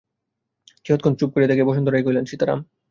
কিয়ৎক্ষণ চুপ করিয়া বসন্ত রায় কহিলেন, সীতারাম!